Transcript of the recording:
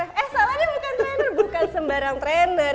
eh salah dia bukan trainer bukan sembarang trainer